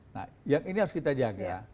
nah yang ini harus kita jaga